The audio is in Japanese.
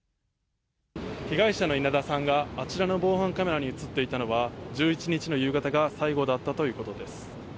被害者の稲田さんがあちらの防犯カメラに映っていたのは１１日の夕方が最後だったということです。